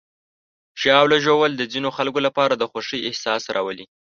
ژاوله ژوول د ځینو خلکو لپاره د خوښۍ احساس راولي.